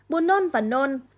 bùn nôn và nôn